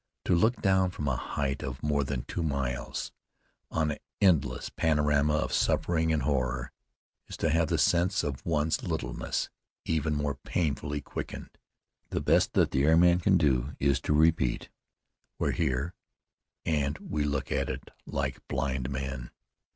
To look down from a height of more than two miles, on an endless panorama of suffering and horror, is to have the sense of one's littleness even more painfully quickened. The best that the airman can do is to repeat, "We're here, and we look at it like blind men."